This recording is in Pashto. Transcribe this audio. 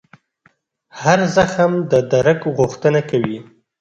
هر زخم د درک غوښتنه کوي.